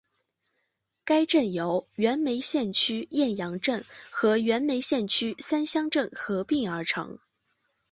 该镇由原梅县区雁洋镇和原梅县区三乡镇合并而成。